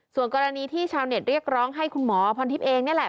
ส่วนกรณีที่ชาวเน็ตเรียกร้องให้คุณหมอพรทิพย์เองนี่แหละ